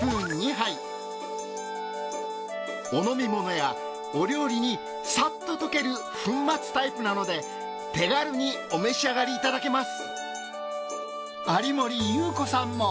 お飲み物やお料理にサッと溶ける粉末タイプなので手軽にお召し上がりいただけます。